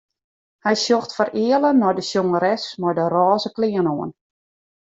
Hy sjocht fereale nei de sjongeres mei de rôze klean oan.